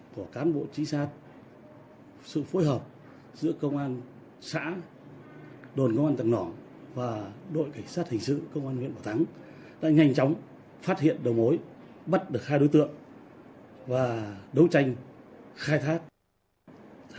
đồn công an tầng nỏ và đội cảnh sát hình sự công an huyện bảo thắng đã nhanh chóng phát hiện đồng mối bắt được hai đối tượng và đấu tranh khai thác